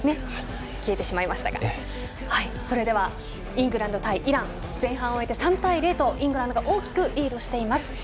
それではイングランド対イラン前半を終えて３対０とイングランドが大きくリードしています。